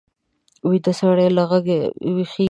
ویده سړی له غږه ویښېږي